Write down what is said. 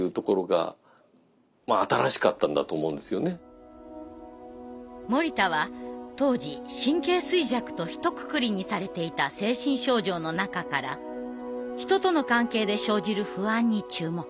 社交不安症というか森田は当時神経衰弱とひとくくりにされていた精神症状の中から人との関係で生じる不安に注目。